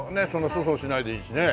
粗相しないでいいしね。